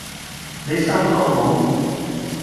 你收到冇？